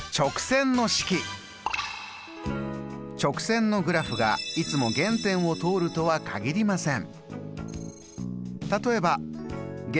直線のグラフがいつも原点を通るとは限りません。